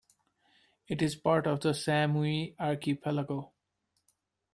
It is part of the Samui Archipelago.